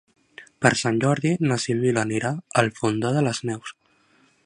Per Sant Jordi na Sibil·la anirà al Fondó de les Neus.